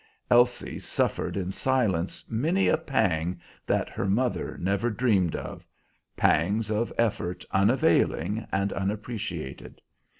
Elsie suffered in silence many a pang that her mother never dreamed of pangs of effort unavailing and unappreciated.